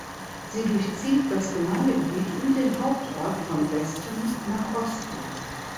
Sie durchzieht das Gemeindegebiet und den Hauptort von Westen nach Osten.